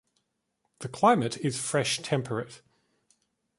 The climate is fresh-temperate.